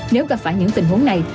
nếu gặp phải những tình huống này